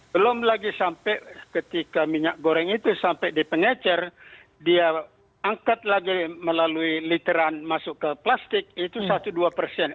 belum lagi sampai ketika minyak goreng itu sampai di pengecer dia angkat lagi melalui literan masuk ke plastik itu satu dua persen